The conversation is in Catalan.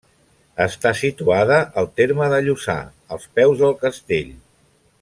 Està situada al terme de Lluçà, als peus del castell.